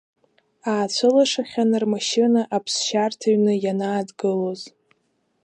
Аацәылашахьан рмашьына аԥсшьарҭа ҩны ианаадгылоз.